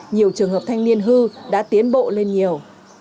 nhiều trường hợp thanh niên hư đã tiến bộ lên nhiều